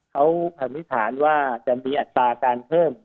เขาสันนิษฐานว่าจะมีอัตราการเพิ่ม